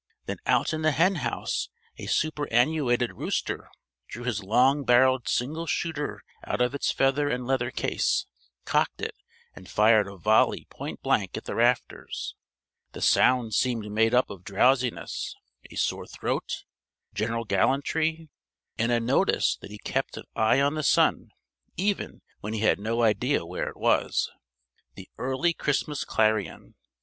Then out in the henhouse a superannuated rooster drew his long barrelled single shooter out of its feather and leather case, cocked it and fired a volley point blank at the rafters: the sound seemed made up of drowsiness, a sore throat, general gallantry, and a notice that he kept an eye on the sun even when he had no idea where it was the early Christmas clarion!